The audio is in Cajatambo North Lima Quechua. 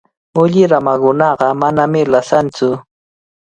Mulli ramakunaqa manami lasantsu.